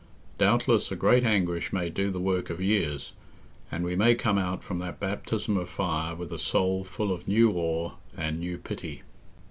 Doubtless a great anguish may do the work of years, and we may come out from that baptism of fire with a soul full of new awe and new pity.